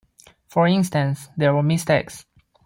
For instance There were mistakes.